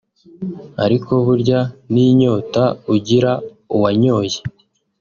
ariko burya n’inyota ugira uwanyoye